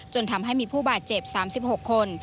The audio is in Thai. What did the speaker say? จนทำให้มีผู้บาดเจ็บ๓๖คน